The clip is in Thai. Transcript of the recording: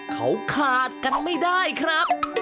เขาขาดกันไม่ได้ครับ